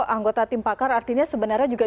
anggota tim pakar artinya sebenarnya juga